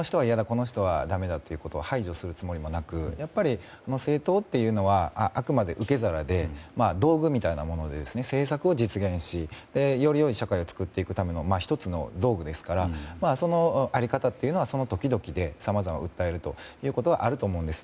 この人はだめだといって排除するつもりもなく政党というのはあくまで受け皿で道具みたいなもので政策を実現しより良い社会を作っていくための１つの道具ですからその在り方というのはその時々で、さまざまな訴えるということはあると思います。